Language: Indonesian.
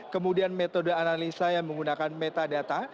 kemudian metode analisa yang menggunakan metadata